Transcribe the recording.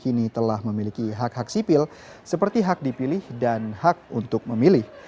kini telah memiliki hak hak sipil seperti hak dipilih dan hak untuk memilih